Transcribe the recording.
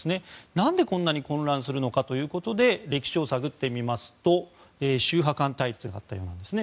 なんでこんなに混乱するのかということで歴史を探ってみますと宗派間対立がありますね。